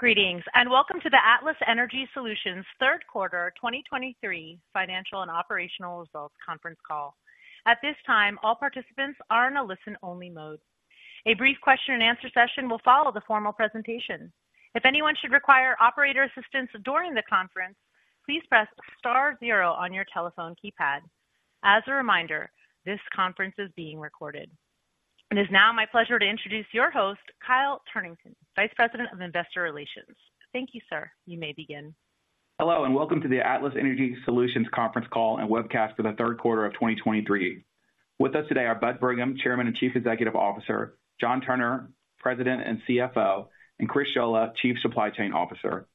Greetings, and welcome to the Atlas Energy Solutions third quarter 2023 financial and operational results conference call. At this time, all participants are in a listen-only mode. A brief question-and-answer session will follow the formal presentation. If anyone should require operator assistance during the conference, please press star zero on your telephone keypad. As a reminder, this conference is being recorded. It is now my pleasure to introduce your host, Kyle Turlington, Vice President of Investor Relations. Thank you, sir. You may begin. Hello, and welcome to the Atlas Energy Solutions conference call and webcast for the third quarter of 2023. With us today are Bud Brigham, Chairman and Chief Executive Officer, John Turner, President and CFO, and Chris Scholla, Chief Supply Chain Officer.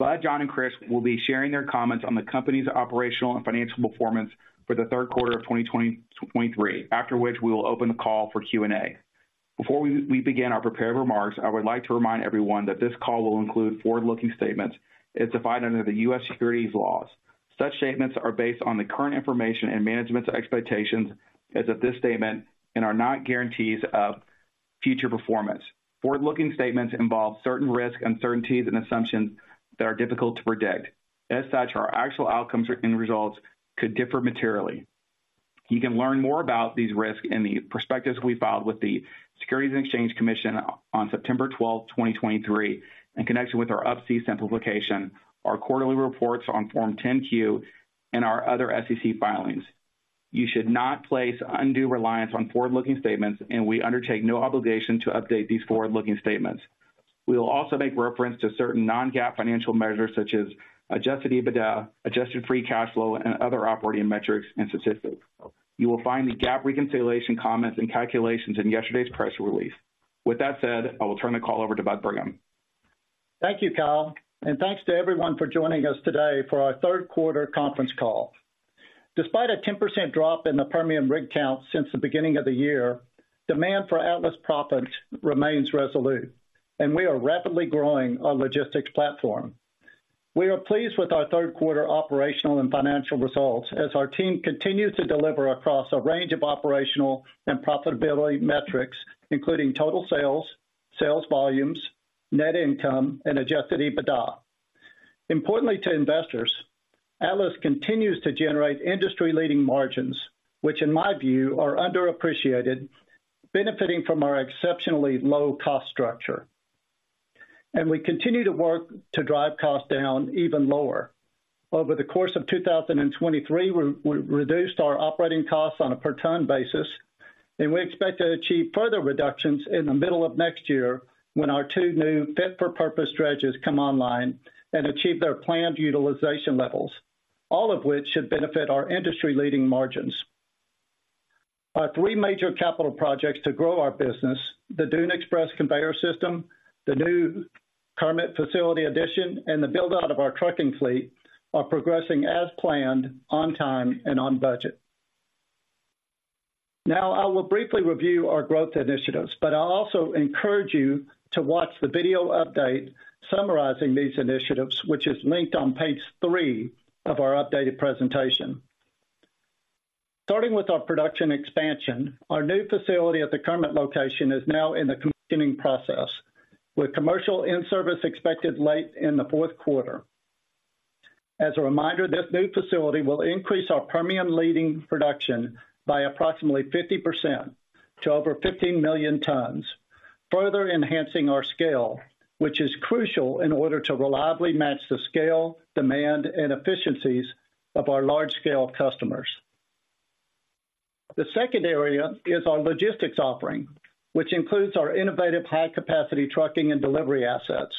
Bud, John, and Chris will be sharing their comments on the company's operational and financial performance for the third quarter of 2023, after which we will open the call for Q&A. Before we begin our prepared remarks, I would like to remind everyone that this call will include forward-looking statements as defined under the U.S. securities laws. Such statements are based on the current information and management's expectations as of this statement and are not guarantees of future performance. Forward-looking statements involve certain risks, uncertainties, and assumptions that are difficult to predict. As such, our actual outcomes and results could differ materially. You can learn more about these risks in the prospectus we filed with the Securities and Exchange Commission on September 12, 2023, in connection with our Up-C Simplification, our quarterly reports on Form 10-Q, and our other SEC filings. You should not place undue reliance on forward-looking statements, and we undertake no obligation to update these forward-looking statements. We will also make reference to certain non-GAAP financial measures such as Adjusted EBITDA, Adjusted Free Cash Flow, and other operating metrics and statistics. You will find the GAAP reconciliation comments and calculations in yesterday's press release. With that said, I will turn the call over to Bud Brigham. Thank you, Kyle, and thanks to everyone for joining us today for our third quarter conference call. Despite a 10% drop in the Permian rig count since the beginning of the year, demand for Atlas proppant remains resolute, and we are rapidly growing our logistics platform. We are pleased with our third quarter operational and financial results, as our team continues to deliver across a range of operational and profitability metrics, including total sales, sales volumes, net income, and adjusted EBITDA. Importantly, to investors, Atlas continues to generate industry-leading margins, which in my view, are underappreciated, benefiting from our exceptionally low cost structure. We continue to work to drive costs down even lower. Over the course of 2023, we reduced our operating costs on a per ton basis, and we expect to achieve further reductions in the middle of next year when our two new fit-for-purpose dredges come online and achieve their planned utilization levels, all of which should benefit our industry-leading margins. Our three major capital projects to grow our business, the Dune Express Conveyor System, the new Kermit facility addition, and the build-out of our trucking fleet, are progressing as planned, on time and on budget. Now, I will briefly review our growth initiatives, but I also encourage you to watch the video update summarizing these initiatives, which is linked on page 3 of our updated presentation. Starting with our production expansion, our new facility at the Kermit location is now in the commissioning process, with commercial in-service expected late in the fourth quarter. As a reminder, this new facility will increase our Permian leading production by approximately 50% to over 15 million tons, further enhancing our scale, which is crucial in order to reliably match the scale, demand, and efficiencies of our large-scale customers. The second area is our logistics offering, which includes our innovative high-capacity trucking and delivery assets.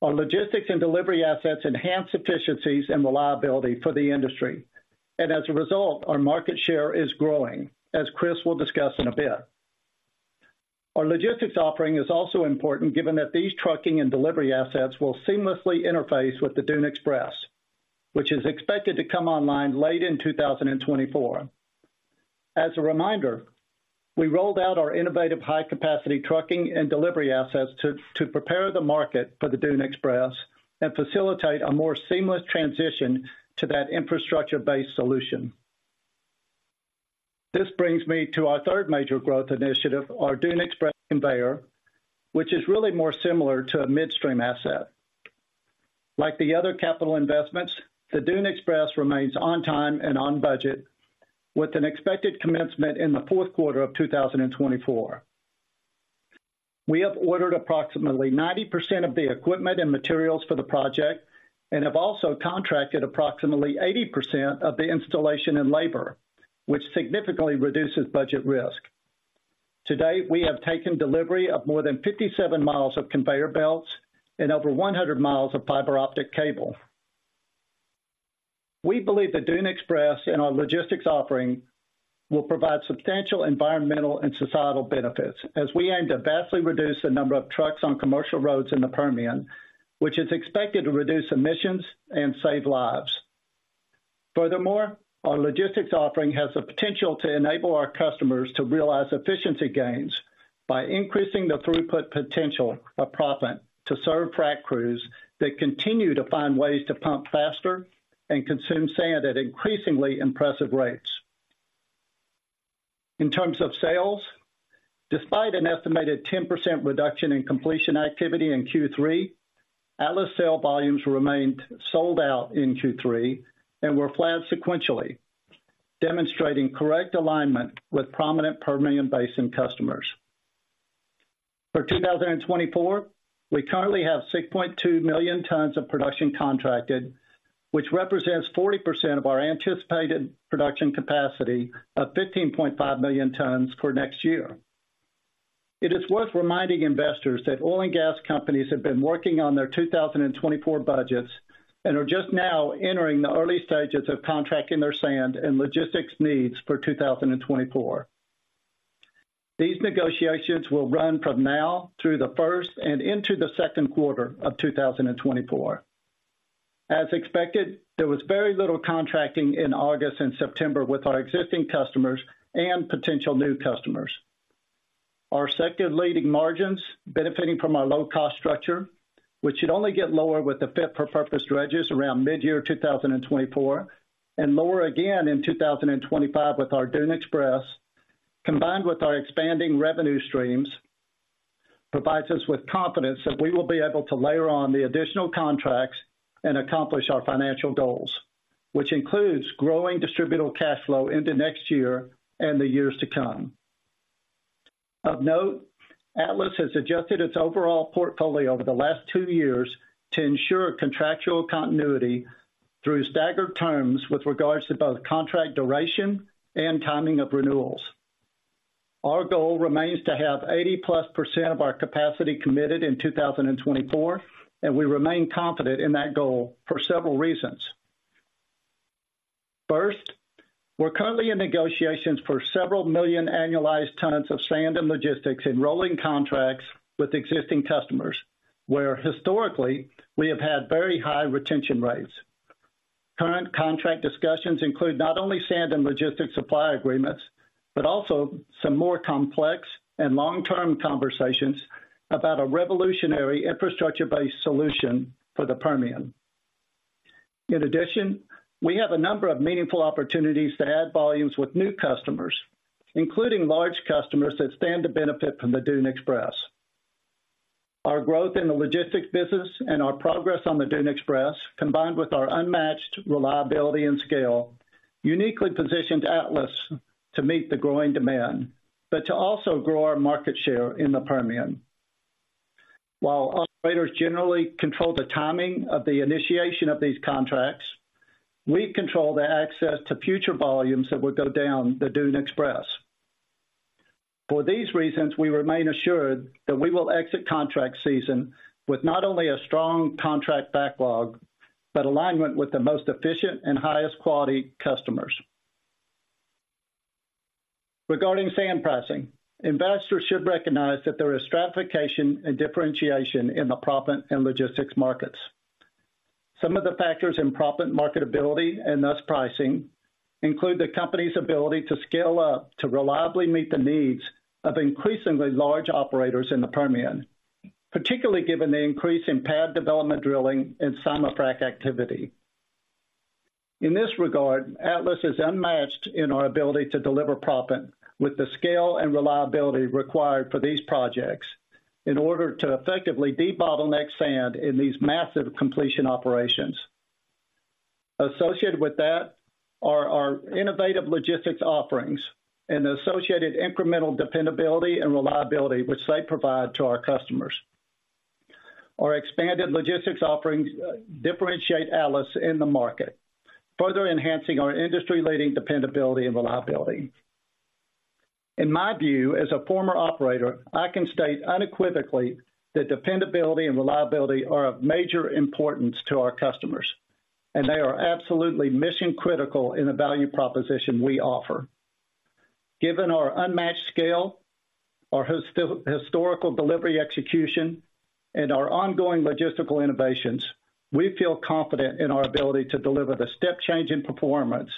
Our logistics and delivery assets enhance efficiencies and reliability for the industry, and as a result, our market share is growing, as Chris will discuss in a bit. Our logistics offering is also important, given that these trucking and delivery assets will seamlessly interface with the Dune Express, which is expected to come online late in 2024. As a reminder, we rolled out our innovative high-capacity trucking and delivery assets to prepare the market for the Dune Express and facilitate a more seamless transition to that infrastructure-based solution. This brings me to our third major growth initiative, our Dune Express Conveyor, which is really more similar to a midstream asset. Like the other capital investments, the Dune Express remains on time and on budget, with an expected commencement in the fourth quarter of 2024. We have ordered approximately 90% of the equipment and materials for the project and have also contracted approximately 80% of the installation and labor, which significantly reduces budget risk. To date, we have taken delivery of more than 57 miles of conveyor belts and over 100 miles of fiber optic cable. We believe the Dune Express and our logistics offering will provide substantial environmental and societal benefits as we aim to vastly reduce the number of trucks on commercial roads in the Permian, which is expected to reduce emissions and save lives. Furthermore, our logistics offering has the potential to enable our customers to realize efficiency gains by increasing the throughput potential of proppant to serve frac crews that continue to find ways to pump faster and consume sand at increasingly impressive rates. In terms of sales, despite an estimated 10% reduction in completion activity in Q3, Atlas sales volumes remained sold out in Q3 and were flat sequentially, demonstrating correct alignment with prominent Permian Basin customers. For 2024, we currently have 6.2 million tons of production contracted, which represents 40% of our anticipated production capacity of 15.5 million tons for next year. It is worth reminding investors that oil and gas companies have been working on their 2024 budgets and are just now entering the early stages of contracting their sand and logistics needs for 2024. These negotiations will run from now through the first and into the second quarter of 2024. As expected, there was very little contracting in August and September with our existing customers and potential new customers. Our sector-leading margins, benefiting from our low-cost structure, which should only get lower with the fit-for-purpose dredges around mid-year 2024, and lower again in 2025 with our Dune Express, combined with our expanding revenue streams, provides us with confidence that we will be able to layer on the additional contracts and accomplish our financial goals, which includes growing distributable cash flow into next year and the years to come. Of note, Atlas has adjusted its overall portfolio over the last two years to ensure contractual continuity through staggered terms with regards to both contract duration and timing of renewals. Our goal remains to have 80%+ of our capacity committed in 2024, and we remain confident in that goal for several reasons. First, we're currently in negotiations for several million annualized tons of sand and logistics in rolling contracts with existing customers, where historically, we have had very high retention rates. Current contract discussions include not only sand and logistics supply agreements, but also some more complex and long-term conversations about a revolutionary infrastructure-based solution for the Permian. In addition, we have a number of meaningful opportunities to add volumes with new customers, including large customers that stand to benefit from the Dune Express. Our growth in the logistics business and our progress on the Dune Express, combined with our unmatched reliability and scale, uniquely positioned Atlas to meet the growing demand, but to also grow our market share in the Permian. While operators generally control the timing of the initiation of these contracts, we control the access to future volumes that will go down the Dune Express. For these reasons, we remain assured that we will exit contract season with not only a strong contract backlog, but alignment with the most efficient and highest quality customers. Regarding sand pricing, investors should recognize that there is stratification and differentiation in the proppant and logistics markets. Some of the factors in proppant marketability, and thus pricing, include the company's ability to scale up to reliably meet the needs of increasingly large operators in the Permian, particularly given the increase in pad development drilling and simul-frac activity. In this regard, Atlas is unmatched in our ability to deliver proppant with the scale and reliability required for these projects in order to effectively debottleneck sand in these massive completion operations. Associated with that are our innovative logistics offerings and the associated incremental dependability and reliability, which they provide to our customers. Our expanded logistics offerings differentiate Atlas in the market, further enhancing our industry-leading dependability and reliability. In my view, as a former operator, I can state unequivocally that dependability and reliability are of major importance to our customers, and they are absolutely mission-critical in the value proposition we offer. Given our unmatched scale, our historical delivery execution, and our ongoing logistical innovations, we feel confident in our ability to deliver the step change in performance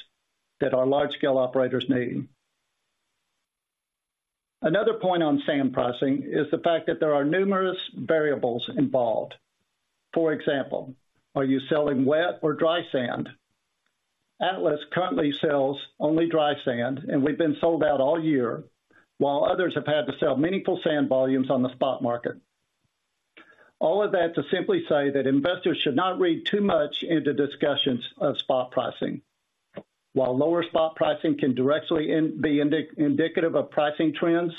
that our large-scale operators need. Another point on sand pricing is the fact that there are numerous variables involved. For example, are you selling wet or dry sand? Atlas currently sells only dry sand, and we've been sold out all year, while others have had to sell meaningful sand volumes on the spot market. All of that to simply say that investors should not read too much into discussions of spot pricing. While lower spot pricing can directly be indicative of pricing trends,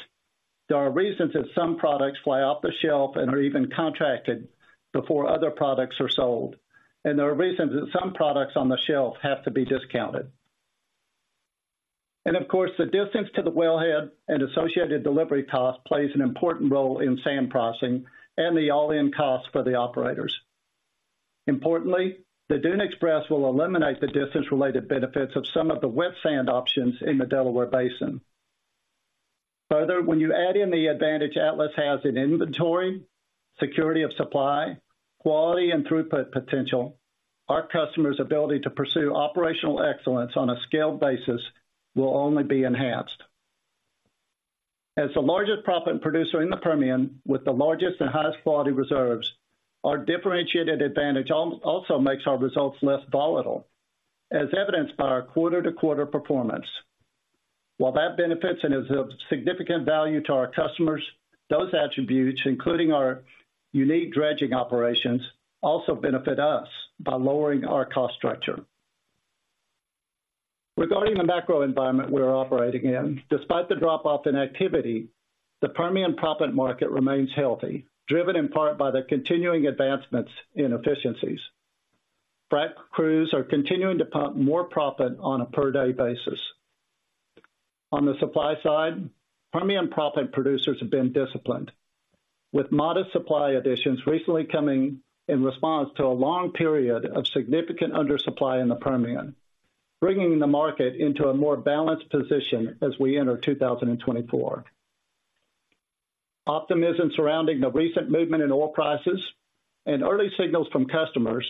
there are reasons that some products fly off the shelf and are even contracted before other products are sold, and there are reasons that some products on the shelf have to be discounted. And of course, the distance to the wellhead and associated delivery cost plays an important role in sand pricing and the all-in cost for the operators. Importantly, the Dune Express will eliminate the distance-related benefits of some of the wet sand options in the Delaware Basin. Further, when you add in the advantage Atlas has in inventory, security of supply, quality, and throughput potential, our customers' ability to pursue operational excellence on a scaled basis will only be enhanced. As the largest proppant producer in the Permian, with the largest and highest quality reserves, our differentiated advantage also makes our results less volatile, as evidenced by our quarter-to-quarter performance. While that benefits and is of significant value to our customers, those attributes, including our unique dredging operations, also benefit us by lowering our cost structure. Regarding the macro environment we're operating in, despite the drop-off in activity, the Permian proppant market remains healthy, driven in part by the continuing advancements in efficiencies. Frac crews are continuing to pump more proppant on a per-day basis. On the supply side, Permian proppant producers have been disciplined, with modest supply additions recently coming in response to a long period of significant undersupply in the Permian, bringing the market into a more balanced position as we enter 2024. Optimism surrounding the recent movement in oil prices and early signals from customers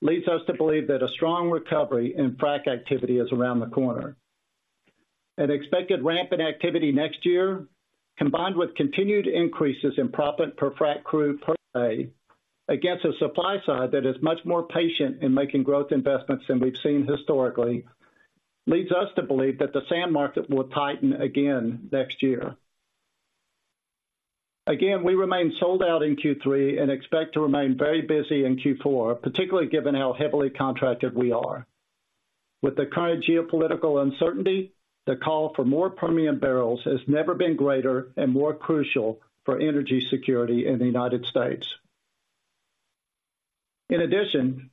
leads us to believe that a strong recovery in frac activity is around the corner. An expected ramp in activity next year, combined with continued increases in proppant per frac crew per day, against a supply side that is much more patient in making growth investments than we've seen historically, leads us to believe that the sand market will tighten again next year. Again, we remain sold out in Q3 and expect to remain very busy in Q4, particularly given how heavily contracted we are. With the current geopolitical uncertainty, the call for more Permian barrels has never been greater and more crucial for energy security in the United States. In addition,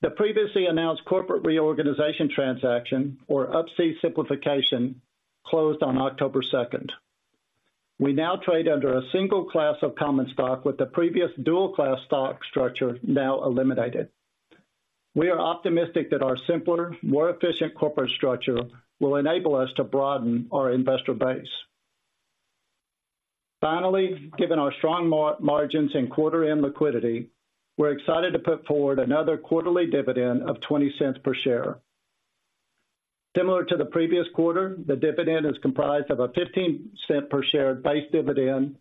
the previously announced corporate reorganization transaction, or Upstream simplification, closed on October 2nd. We now trade under a single class of common stock, with the previous dual-class stock structure now eliminated. We are optimistic that our simpler, more efficient corporate structure will enable us to broaden our investor base. Finally, given our strong margins and quarter-end liquidity, we're excited to put forward another quarterly dividend of $0.20 per share. Similar to the previous quarter, the dividend is comprised of a $0.15 per share base dividend,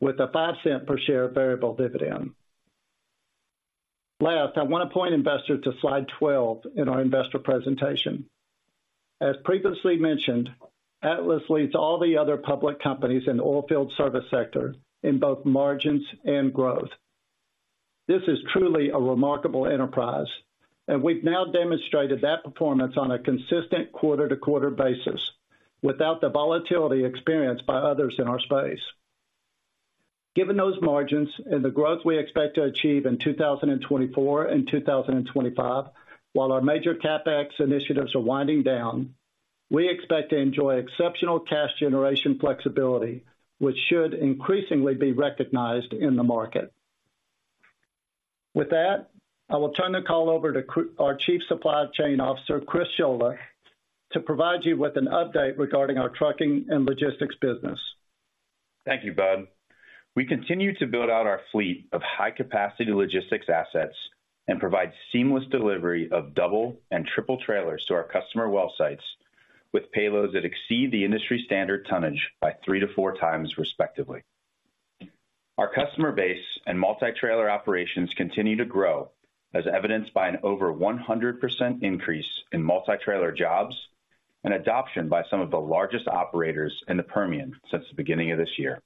with a $0.05 per share variable dividend. Last, I want to point investors to slide 12 in our investor presentation. As previously mentioned, Atlas leads all the other public companies in the oilfield service sector in both margins and growth. This is truly a remarkable enterprise, and we've now demonstrated that performance on a consistent quarter-to-quarter basis, without the volatility experienced by others in our space. Given those margins and the growth we expect to achieve in 2024 and 2025, while our major CapEx initiatives are winding down, we expect to enjoy exceptional cash generation flexibility, which should increasingly be recognized in the market. With that, I will turn the call over to our Chief Supply Chain Officer, Chris Scholla, to provide you with an update regarding our trucking and logistics business. Thank you, Bud. We continue to build out our fleet of high-capacity logistics assets and provide seamless delivery of double and triple trailers to our customer well sites, with payloads that exceed the industry standard tonnage by 3x-4x, respectively. Our customer base and multi-trailer operations continue to grow, as evidenced by an over 100% increase in multi-trailer jobs and adoption by some of the largest operators in the Permian since the beginning of this year.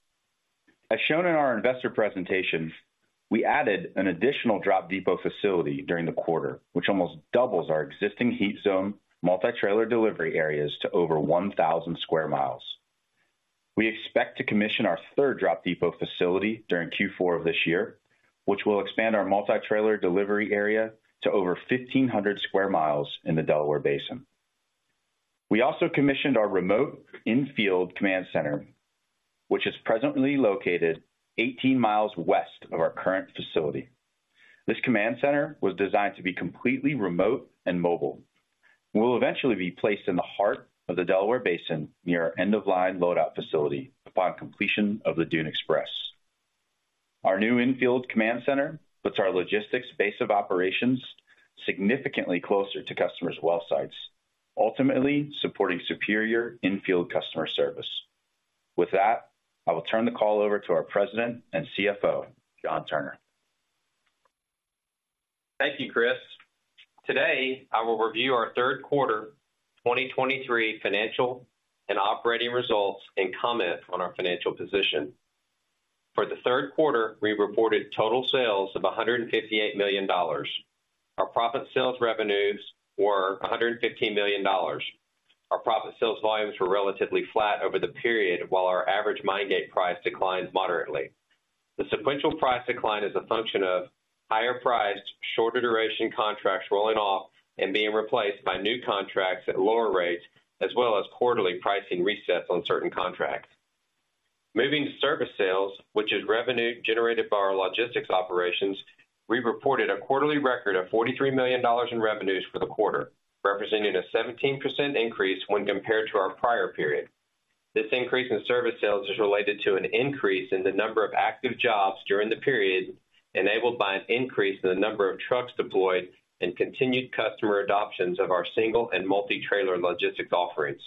As shown in our investor presentation, we added an additional drop depot facility during the quarter, which almost doubles our existing heat zone multi-trailer delivery areas to over 1,000 sq mi. We expect to commission our third drop depot facility during Q4 of this year, which will expand our multi-trailer delivery area to over 1,500 sq mi in the Delaware Basin. We also commissioned our remote in-field command center, which is presently located 18 miles west of our current facility. This command center was designed to be completely remote and mobile. It will eventually be placed in the heart of the Delaware Basin, near our end-of-line load-out facility, upon completion of the Dune Express. Our new in-field command center puts our logistics base of operations significantly closer to customers' well sites, ultimately supporting superior in-field customer service. With that, I will turn the call over to our President and CFO, John Turner. Thank you, Chris. Today, I will review our third quarter 2023 financial and operating results and comment on our financial position. For the third quarter, we reported total sales of $158 million. Our proppant sales revenues were $115 million. Our proppant sales volumes were relatively flat over the period, while our average mine gate price declined moderately. The sequential price decline is a function of higher priced, shorter duration contracts rolling off and being replaced by new contracts at lower rates, as well as quarterly pricing resets on certain contracts. Moving to service sales, which is revenue generated by our logistics operations, we reported a quarterly record of $43 million in revenues for the quarter, representing a 17% increase when compared to our prior period. This increase in service sales is related to an increase in the number of active jobs during the period enabled by an increase in the number of trucks deployed and continued customer adoptions of our single and multi-trailer logistics offerings.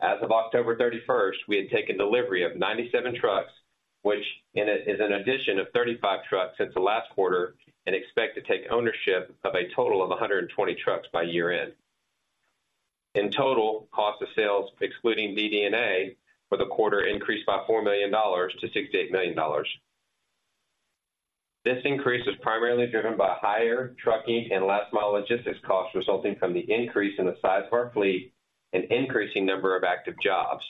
As of October 31st, we had taken delivery of 97 trucks, which is an addition of 35 trucks since the last quarter, and expect to take ownership of a total of 120 trucks by year-end. In total, cost of sales, excluding DD&A, for the quarter increased by $4 million to $68 million. This increase was primarily driven by higher trucking and last mile logistics costs resulting from the increase in the size of our fleet and increasing number of active jobs.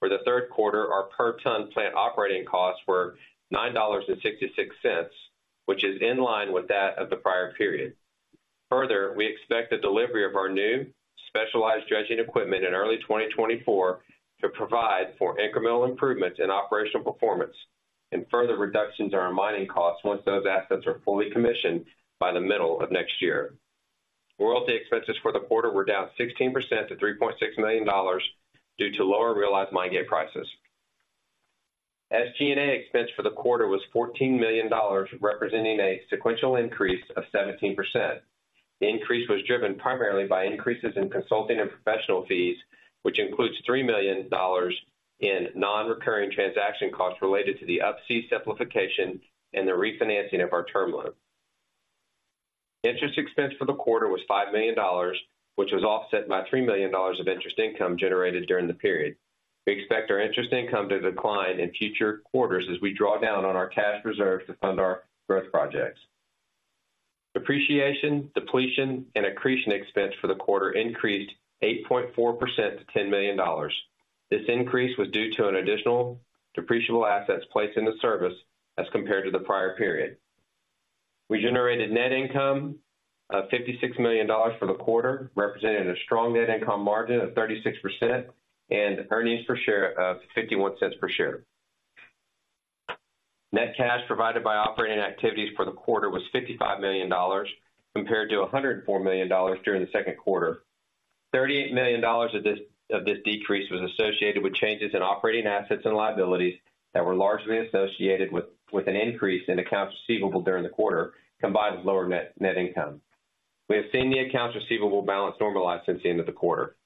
For the third quarter, our per ton plant operating costs were $9.66, which is in line with that of the prior period. Further, we expect the delivery of our new specialized dredging equipment in early 2024 to provide for incremental improvements in operational performance and further reductions in our mining costs once those assets are fully commissioned by the middle of next year. Royalty expenses for the quarter were down 16% to $3.6 million due to lower realized mine gate prices. SG&A expense for the quarter was $14 million, representing a sequential increase of 17%. The increase was driven primarily by increases in consulting and professional fees, which includes $3 million in non-recurring transaction costs related to the Upstream simplification and the refinancing of our term loan. Interest expense for the quarter was $5 million, which was offset by $3 million of interest income generated during the period. We expect our interest income to decline in future quarters as we draw down on our cash reserves to fund our growth projects. Depreciation, depletion, and amortization expense for the quarter increased 8.4% to $10 million. This increase was due to an additional depreciable assets placed into service as compared to the prior period. We generated net income of $56 million for the quarter, representing a strong net income margin of 36% and earnings per share of $0.51 per share. Net cash provided by operating activities for the quarter was $55 million, compared to $104 million during the second quarter. $38 million of this decrease was associated with changes in operating assets and liabilities that were largely associated with an increase in accounts receivable during the quarter, combined with lower net income. We have seen the accounts receivable balance normalize since the end of the quarter.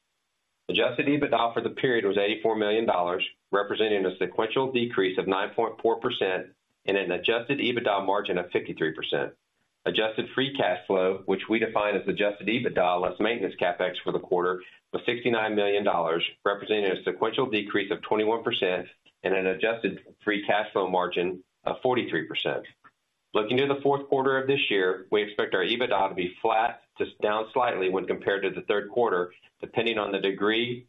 Adjusted EBITDA for the period was $84 million, representing a sequential decrease of 9.4% and an adjusted EBITDA margin of 53%. Adjusted free cash flow, which we define as adjusted EBITDA less maintenance CapEx for the quarter, was $69 million, representing a sequential decrease of 21% and an adjusted free cash flow margin of 43%. Looking to the fourth quarter of this year, we expect our EBITDA to be flat to down slightly when compared to the third quarter, depending on the degree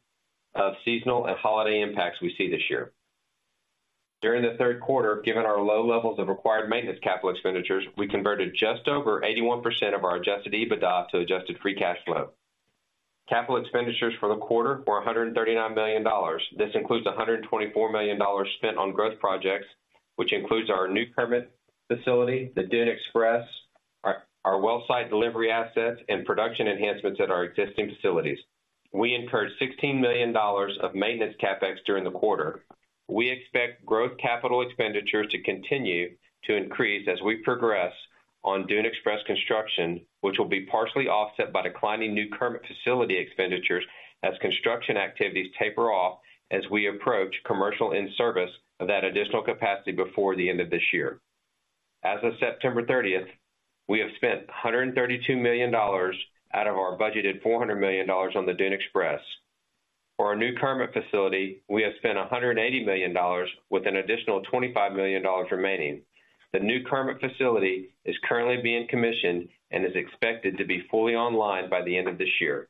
of seasonal and holiday impacts we see this year. During the third quarter, given our low levels of required maintenance capital expenditures, we converted just over 81% of our adjusted EBITDA to adjusted free cash flow. Capital expenditures for the quarter were $139 million. This includes $124 million spent on growth projects, which includes our new Kermit facility, the Dune Express, our well site delivery assets, and production enhancements at our existing facilities. We incurred $16 million of maintenance CapEx during the quarter. We expect growth capital expenditures to continue to increase as we progress on Dune Express construction, which will be partially offset by declining new Kermit facility expenditures as construction activities taper off as we approach commercial in-service of that additional capacity before the end of this year. As of September 30th, we have spent $132 million out of our budgeted $400 million on the Dune Express. For our new Kermit facility, we have spent $180 million, with an additional $25 million remaining. The new Kermit facility is currently being commissioned and is expected to be fully online by the end of this year.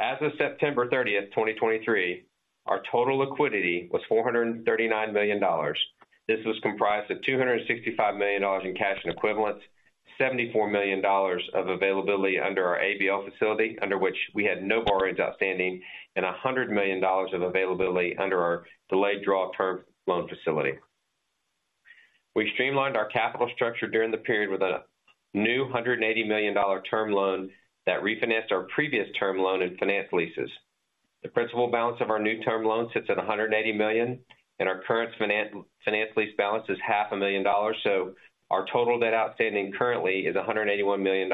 As of September 30th, 2023, our total liquidity was $439 million. This was comprised of $265 million in cash and equivalents, $74 million of availability under our ABL facility, under which we had no borrowings outstanding, and $100 million of availability under our delayed draw term loan facility. We streamlined our capital structure during the period with a new $180 million term loan that refinanced our previous term loan and finance leases. The principal balance of our new term loan sits at $180 million, and our current finance lease balance is $500,000. So our total debt outstanding currently is $181 million,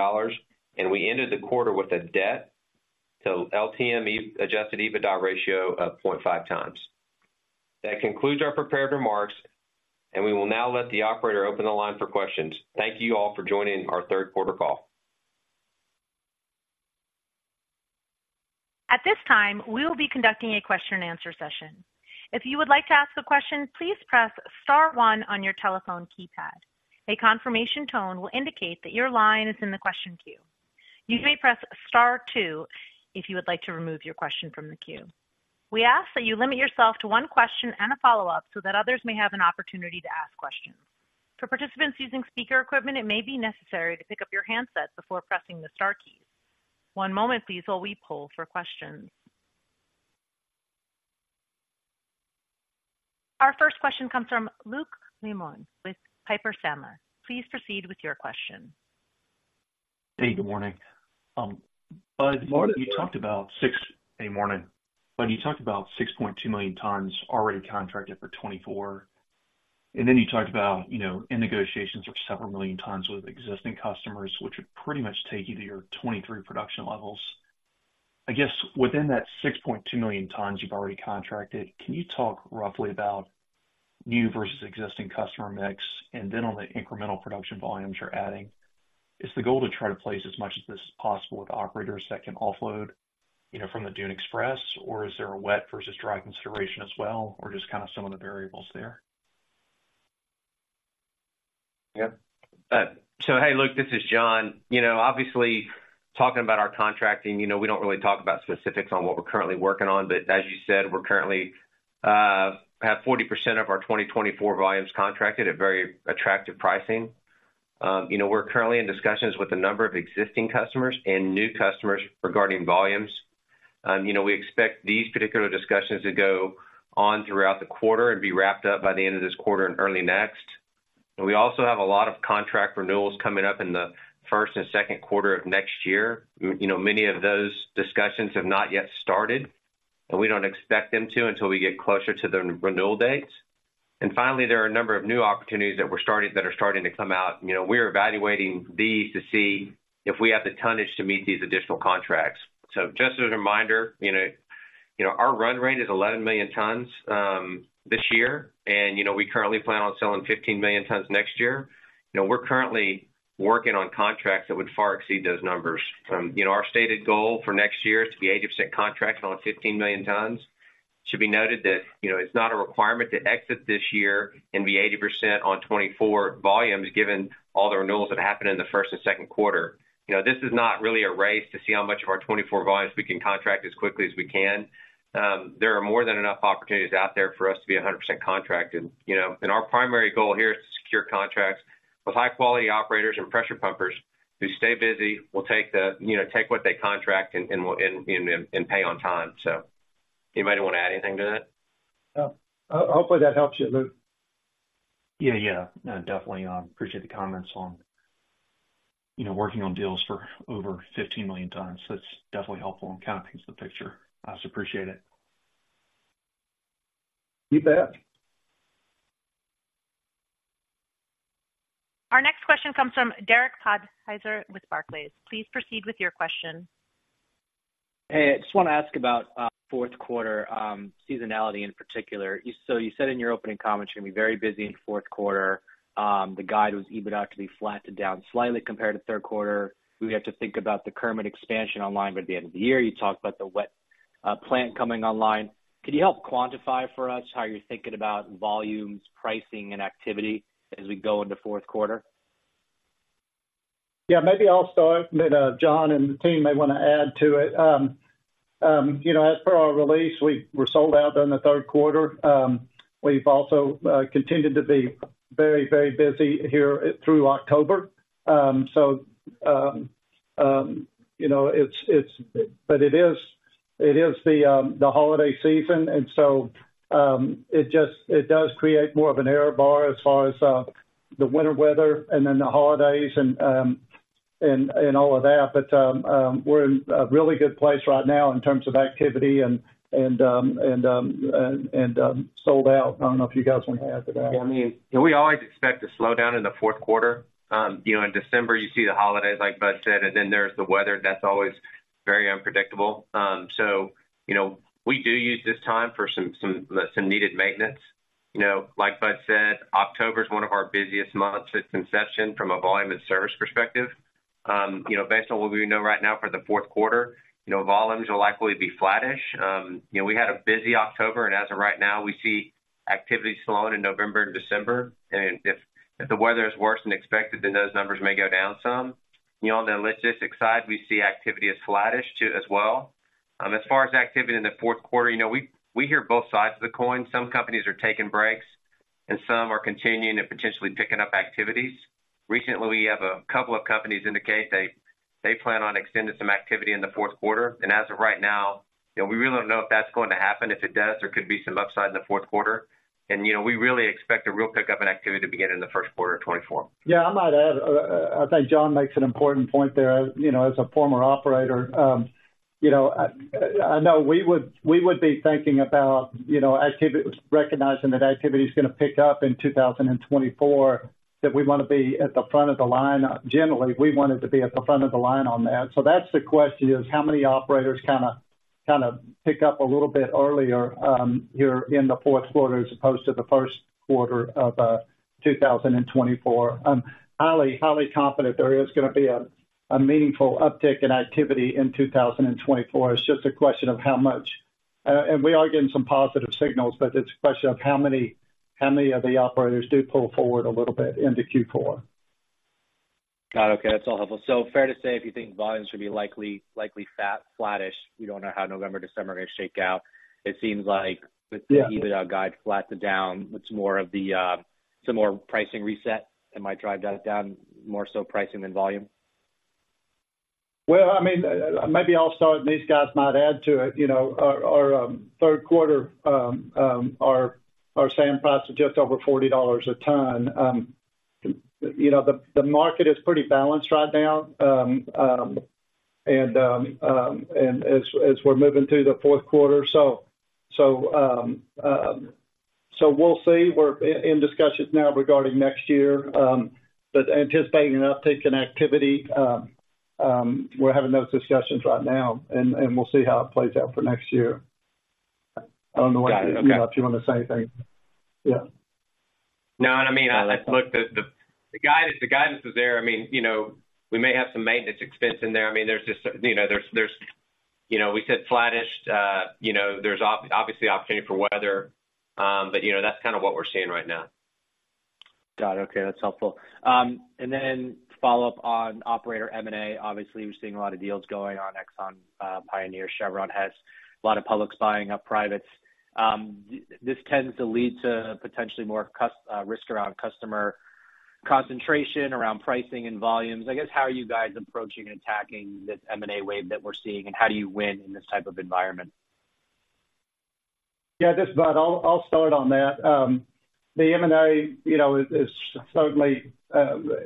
and we ended the quarter with a debt to LTM adjusted EBITDA ratio of 0.5x. That concludes our prepared remarks, and we will now let the operator open the line for questions. Thank you all for joining our third quarter call. At this time, we will be conducting a question-and-answer session. If you would like to ask a question, please press star-one on your telephone keypad. A confirmation tone will indicate that your line is in the question queue. You may press star-two if you would like to remove your question from the queue. We ask that you limit yourself to one question and a follow-up so that others may have an opportunity to ask questions. For participants using speaker equipment, it may be necessary to pick up your handset before pressing the star keys. One moment, please, while we poll for questions. Our first question comes from Luke Lemoine with Piper Sandler. Please proceed with your question. Hey, good morning. Bud, you talked about 6.2 million tons already contracted for 2024, and then you talked about, you know, in negotiations for several million tons with existing customers, which would pretty much take you to your 2023 production levels. I guess within that 6.2 million tons you've already contracted, can you talk roughly about new versus existing customer mix? And then on the incremental production volumes you're adding, is the goal to try to place as much of this as possible with operators that can offload, you know, from the Dune Express, or is there a wet versus dry consideration as well, or just kind of some of the variables there? Yeah. So hey, Luke, this is John. You know, obviously, talking about our contracting, you know, we don't really talk about specifics on what we're currently working on, but as you said, we're currently have 40% of our 2024 volumes contracted at very attractive pricing. You know, we're currently in discussions with a number of existing customers and new customers regarding volumes. You know, we expect these particular discussions to go on throughout the quarter and be wrapped up by the end of this quarter and early next. And we also have a lot of contract renewals coming up in the first and second quarter of next year. You know, many of those discussions have not yet started, and we don't expect them to until we get closer to the renewal dates. Finally, there are a number of new opportunities that are starting to come out. You know, we're evaluating these to see if we have the tonnage to meet these additional contracts. So just as a reminder, you know, you know, our run rate is 11 million tons this year, and, you know, we currently plan on selling 15 million tons next year. You know, we're currently working on contracts that would far exceed those numbers. You know, our stated goal for next year is to be 80% contracts on 15 million tons. It should be noted that, you know, it's not a requirement to exit this year and be 80% on 2024 volumes, given all the renewals that happened in the first and second quarter. You know, this is not really a race to see how much of our 24 volumes we can contract as quickly as we can. There are more than enough opportunities out there for us to be 100% contracted. You know, and our primary goal here is to secure contracts with high-quality operators and pressure pumpers who stay busy, will take the, you know, take what they contract and pay on time. So anybody want to add anything to that? No. Hopefully, that helps you, Luke. Yeah, yeah. Definitely. I appreciate the comments on, you know, working on deals for over 15 million times. That's definitely helpful and kind of paints the picture. I appreciate it. You bet. Our next question comes from Derek Podhaizer with Barclays. Please proceed with your question. Hey, I just want to ask about fourth quarter seasonality in particular. So you said in your opening comments, you're going to be very busy in the fourth quarter. The guide was EBITDA to be flat to down slightly compared to third quarter. We have to think about the Kermit expansion online by the end of the year. You talked about the wet plant coming online. Could you help quantify for us how you're thinking about volumes, pricing, and activity as we go into fourth quarter? Yeah, maybe I'll start, and then, John and the team may want to add to it. You know, as per our release, we were sold out during the third quarter. We've also continued to be very, very busy here through October. You know, but it is, it is the holiday season, and so, it just, it does create more of an error bar as far as, the winter weather and then the holidays and, and all of that. But, we're in a really good place right now in terms of activity and sold out. I don't know if you guys want to add to that. Yeah, I mean, we always expect to slow down in the fourth quarter. You know, in December, you see the holidays, like Bud said, and then there's the weather. That's always very unpredictable. So, you know, we do use this time for some needed maintenance. You know, like Bud said, October is one of our busiest months since inception from a volume and service perspective. You know, based on what we know right now for the fourth quarter, you know, volumes will likely be flattish. You know, we had a busy October, and as of right now, we see activity slowing in November and December. And if the weather is worse than expected, then those numbers may go down some. You know, on the logistics side, we see activity as flattish too, as well. As far as activity in the fourth quarter, you know, we hear both sides of the coin. Some companies are taking breaks and some are continuing and potentially picking up activities. Recently, we have a couple of companies indicate they plan on extending some activity in the fourth quarter. As of right now, you know, we really don't know if that's going to happen. If it does, there could be some upside in the fourth quarter. You know, we really expect a real pickup in activity to begin in the first quarter of 2024. Yeah, I might add, I think John makes an important point there. You know, as a former operator, you know, I know we would, we would be thinking about, you know, activity, recognizing that activity is going to pick up in 2024, that we want to be at the front of the line. Generally, we wanted to be at the front of the line on that. So that's the question is, how many operators kind of pick up a little bit earlier, here in the fourth quarter as opposed to the first quarter of 2024? I'm highly, highly confident there is going to be a, a meaningful uptick in activity in 2024. It's just a question of how much. We are getting some positive signals, but it's a question of how many, how many of the operators do pull forward a little bit into Q4. Got it. Okay, that's all helpful. So, fair to say, if you think volumes should be likely flattish, we don't know how November, December are going to shake out. It seems like the EBITDA guide flat to down, it's more of the, some more pricing reset that might drive that down, more so pricing than volume? Well, I mean, maybe I'll start, and these guys might add to it. You know, our third quarter our sand price is just over $40 a ton. You know, the market is pretty balanced right now, and as we're moving through the fourth quarter. So we'll see. We're in discussions now regarding next year, but anticipating an uptick in activity, we're having those discussions right now, and we'll see how it plays out for next year. I don't know what if you want to say anything. No, I mean, look, the guidance is there. I mean, you know, we may have some maintenance expense in there. I mean, there's just, you know, there's you know, we said flattish. You know, there's obviously opportunity for weather, but, you know, that's kind of what we're seeing right now. Got it. Okay, that's helpful. And then follow up on operator M&A. Obviously, we're seeing a lot of deals going on, Exxon, Pioneer, Chevron has a lot of public buying up privates. This tends to lead to potentially more customer risk around customer concentration, around pricing and volumes. I guess, how are you guys approaching and attacking this M&A wave that we're seeing, and how do you win in this type of environment? Yeah, this is Bud. I'll start on that. The M&A, you know, is certainly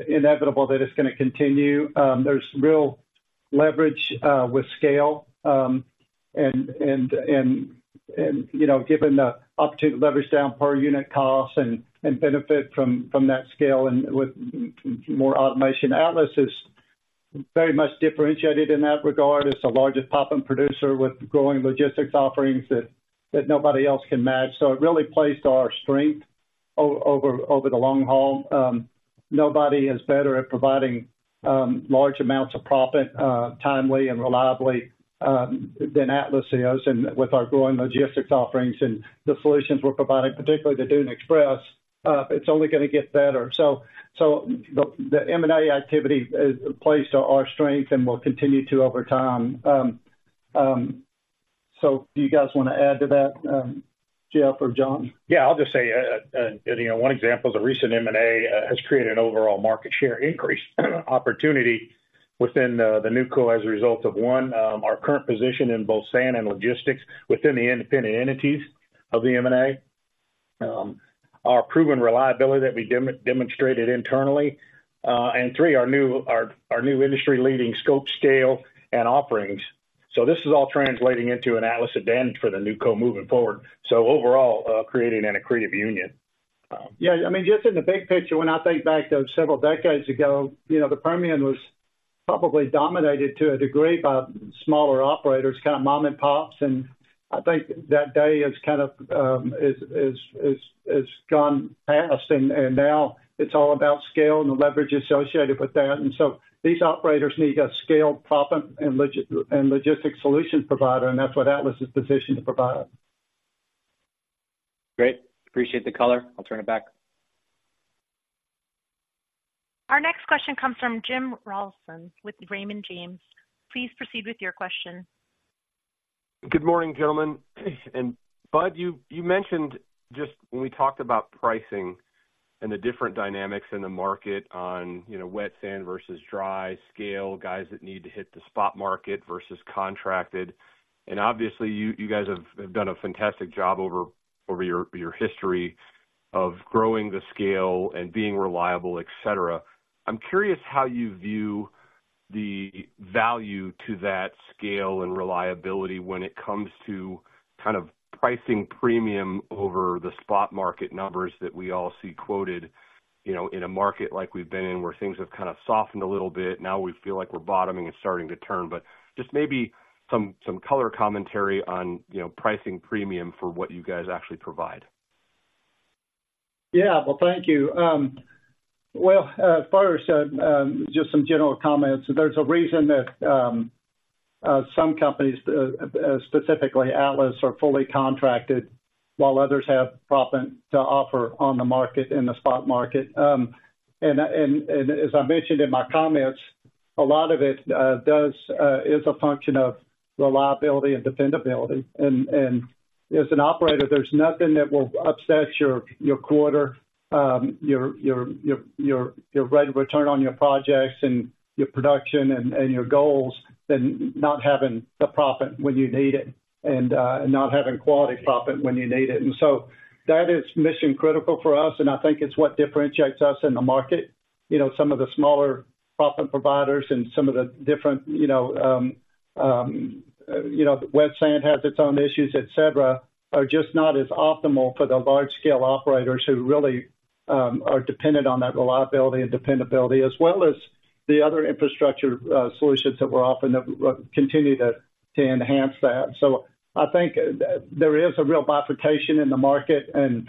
inevitable that it's going to continue. There's real leverage with scale. And you know, given the opportunity to leverage down per unit costs and benefit from that scale and with more automation, Atlas is very much differentiated in that regard. It's the largest proppant producer with growing logistics offerings that nobody else can match. So it really plays to our strength over the long haul. Nobody is better at providing large amounts of proppant timely and reliably than Atlas is, and with our growing logistics offerings and the solutions we're providing, particularly the Dune Express, it's only gonna get better. So the M&A activity plays to our strength and will continue to over time. So do you guys want to add to that, Jeff or John? Yeah, I'll just say, you know, one example is a recent M&A has created an overall market share increase opportunity within the NewCo as a result of, one, our current position in both sand and logistics within the independent entities of the M&A. Our proven reliability that we demonstrated internally. And three, our new industry-leading scope, scale, and offerings. So this is all translating into an Atlas event for the NewCo moving forward. So overall, creating an accretive union. Yeah, I mean, just in the big picture, when I think back to several decades ago, you know, the Permian was probably dominated to a degree by smaller operators, kind of mom-and-pops, and I think that day is kind of is gone past and now it's all about scale and the leverage associated with that. And so these operators need a scaled proppant and logistics solution provider, and that's what Atlas is positioned to provide. Great. Appreciate the color. I'll turn it back. Our next question comes from Jim Rollyson with Raymond James. Please proceed with your question. Good morning, gentlemen. Bud, you mentioned just when we talked about pricing and the different dynamics in the market on, you know, wet sand versus dry, scale, guys that need to hit the spot market versus contracted. Obviously, you guys have done a fantastic job over your history of growing the scale and being reliable, et cetera. I'm curious how you view the value to that scale and reliability when it comes to kind of pricing premium over the spot market numbers that we all see quoted, you know, in a market like we've been in, where things have kind of softened a little bit, now we feel like we're bottoming and starting to turn. Just maybe some color commentary on, you know, pricing premium for what you guys actually provide. Yeah. Well, thank you. Well, first, just some general comments. There's a reason that some companies, specifically Atlas, are fully contracted, while others have proppant to offer on the market, in the spot market. And as I mentioned in my comments, a lot of it is a function of reliability and dependability. And as an operator, there's nothing that will upset your quarter, your rate of return on your projects and your production and your goals than not having the proppant when you need it, and not having quality proppant when you need it. And so that is mission critical for us, and I think it's what differentiates us in the market. You know, some of the smaller proppant providers and some of the different, you know, wet sand has its own issues, etc., are just not as optimal for the large scale operators who really are dependent on that reliability and dependability, as well as the other infrastructure solutions that we're offering that continue to enhance that. So I think there is a real bifurcation in the market, and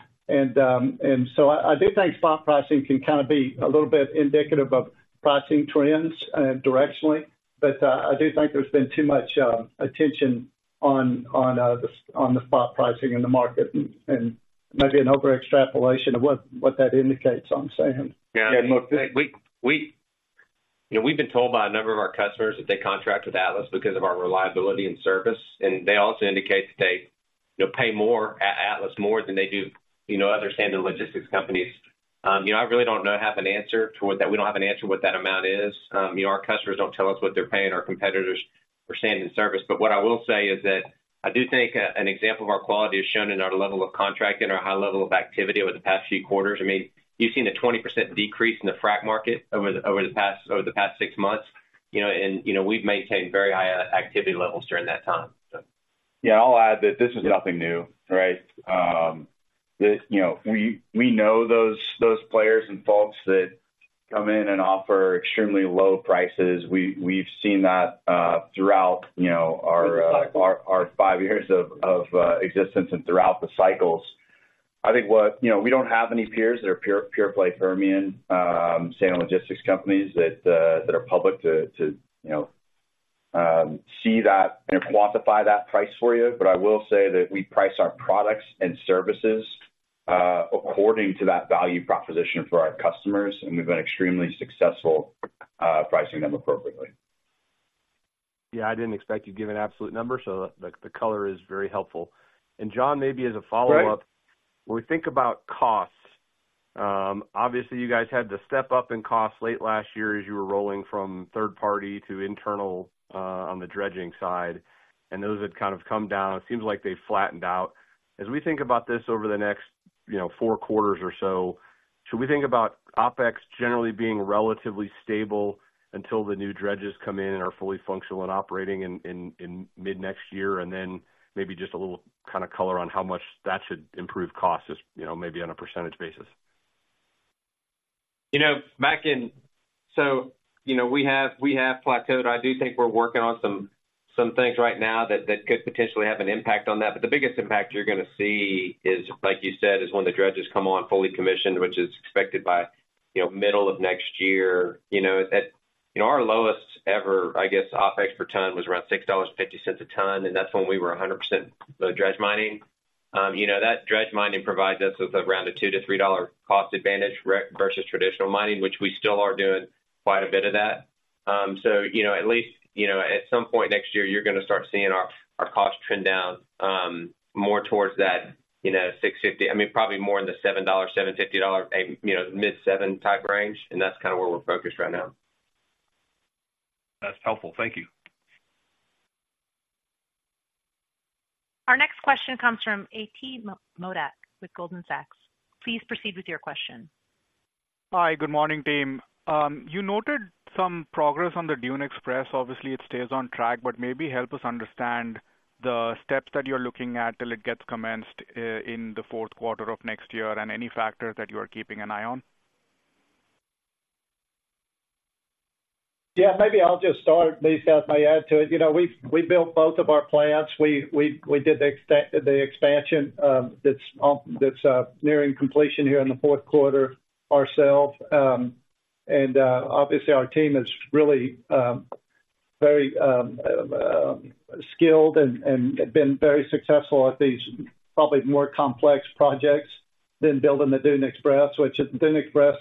so I do think spot pricing can kind of be a little bit indicative of pricing trends directionally. But I do think there's been too much attention on the spot pricing in the market and maybe an overextrapolation of what that indicates on sand. Yeah, look, we've been told by a number of our customers that they contract with Atlas because of our reliability and service, and they also indicate that they pay more at Atlas more than they do, you know, other standard logistics companies. You know, I really don't know, have an answer toward that. We don't have an answer what that amount is. You know, our customers don't tell us what they're paying our competitors for standard service. But what I will say is that I do think an example of our quality is shown in our level of contracting, our high level of activity over the past few quarters. I mean, you've seen a 20% decrease in the frac market over the, over the past, over the past six months, you know, and, you know, we've maintained very high activity levels during that time, so. Yeah, I'll add that this is nothing new, right? We know those players and folks that come in and offer extremely low prices. We've seen that throughout, you know, our five years of existence and throughout the cycles. You know, we don't have any peers that are pure play Permian standard logistics companies that are public to see that and quantify that price for you. But I will say that we price our products and services according to that value proposition for our customers, and we've been extremely successful pricing them appropriately. Yeah, I didn't expect you to give an absolute number, so the color is very helpful. And, John, maybe as a follow-up. When we think about costs, obviously, you guys had to step up in costs late last year as you were rolling from third-party to internal on the dredging side, and those have kind of come down. It seems like they've flattened out. As we think about this over the next, you know, four quarters or so, should we think about OpEx generally being relatively stable until the new dredges come in and are fully functional and operating in mid-next year? And then maybe just a little kind of color on how much that should improve costs, as, you know, maybe on a percentage basis. You know, so, you know, we have, we have plateaued. I do think we're working on some, some things right now that, that could potentially have an impact on that. But the biggest impact you're going to see is, like you said, is when the dredges come on fully commissioned, which is expected by, you know, middle of next year. You know, at, you know, our lowest ever, I guess, OpEx per ton was around $6.50 a ton, and that's when we were 100% dredge mining. You know, that dredge mining provides us with around a $2-$3 cost advantage versus traditional mining, which we still are doing quite a bit of that. So, you know, at least, you know, at some point next year, you're gonna start seeing our costs trend down, more towards that, you know, probably more in the $7-$7.50, you know, mid-$7 type range, and that's kind of where we're focused right now. That's helpful. Thank you. Our next question comes from [Eki Mura] with Goldman Sachs. Please proceed with your question. Hi, good morning, team. You noted some progress on the Dune Express. Obviously, it stays on track, but maybe help us understand the steps that you're looking at till it gets commenced in the fourth quarter of next year, and any factors that you are keeping an eye on? Yeah, maybe I'll just start, and then Scholla may add to it. You know, we've built both of our plants. We did the expansion that's nearing completion here in the fourth quarter ourselves. And obviously, our team is really very skilled and have been very successful at these probably more complex projects than building the Dune Express. Which Dune Express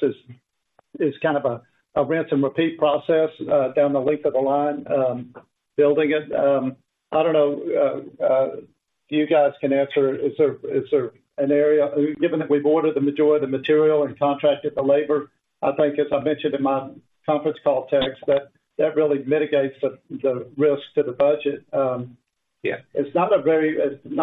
is kind of a rinse and repeat process down the length of the line building it. I don't know if you guys can answer. It's an area. Given that we've ordered the majority of the material and contracted the labor, I think, as I mentioned in my conference call text, that really mitigates the risks to the budget. It's not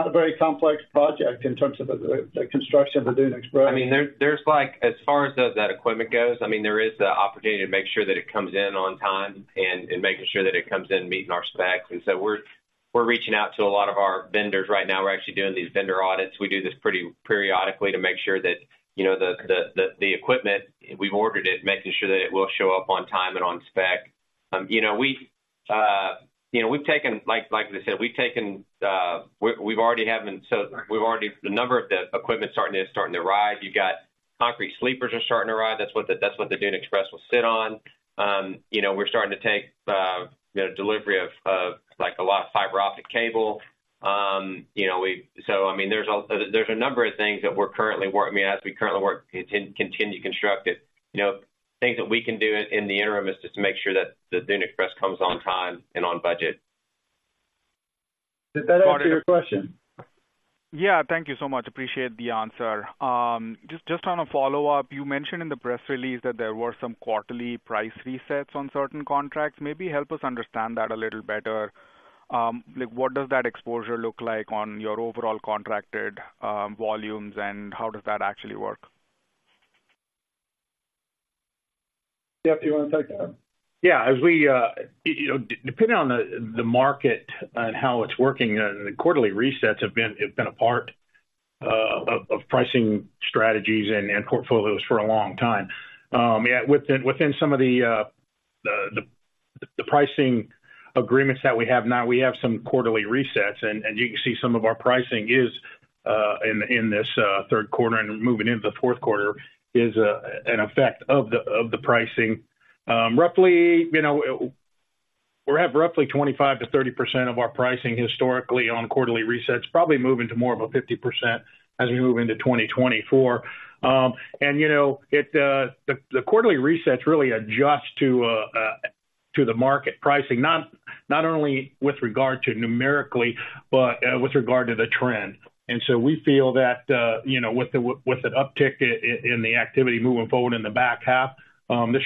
a very complex project in terms of the construction of the Dune Express. I mean, there, there's like, as far as that equipment goes, I mean, there is the opportunity to make sure that it comes in on time and making sure that it comes in meeting our specs. So we're reaching out to a lot of our vendors right now. We're actually doing these vendor audits. We do this pretty periodically to make sure that, you know, the equipment we've ordered, making sure that it will show up on time and on spec. You know, like I said, the equipment starting to arrive. You've got concrete sleepers are starting to arrive. That's what the Dune Express will sit on. You know, we're starting to take, you know, delivery of, like, a lot of fiber optic cable. You know, so I mean, there's a number of things that we're currently, I mean, as we currently work, continue to construct it. You know, things that we can do in the interim is just to make sure that the Dune Express comes on time and on budget. Did that answer your question? Yeah. Thank you so much. Appreciate the answer. Just on a follow-up, you mentioned in the press release that there were some quarterly price resets on certain contracts. Maybe help us understand that a little better. Like, what does that exposure look like on your overall contracted volumes, and how does that actually work? Jeff, do you want to take that? Yeah, as we, you know, depending on the market and how it's working, the quarterly resets have been a part of pricing strategies and portfolios for a long time. Yeah, within some of the pricing agreements that we have now, we have some quarterly resets, and you can see some of our pricing is in this third quarter and moving into the fourth quarter, an effect of the pricing. Roughly, you know, we have roughly 25%-30% of our pricing historically on quarterly resets, probably moving to more of a 50% as we move into 2024. And you know, it, the quarterly resets really adjust to the market pricing, not only with regard to numerically, but with regard to the trend. And so we feel that, you know, with an uptick in the activity moving forward in the back half, this